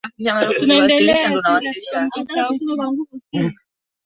mpenda soka mpenda maendeleo ya soka hasa kwa timu